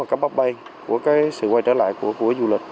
của sự quay trở lại của du lịch